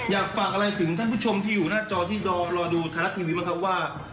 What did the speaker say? อยากฝากอะไรถึงท่านผู้ชมที่อยู่หน้าจอที่รอดูไทยรัฐทีวีบ้างครับว่า